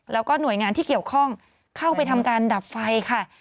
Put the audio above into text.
แล้วก็หน่วยงานที่เกี่ยวข้องเข้าไปทำการดับไฟค่ะ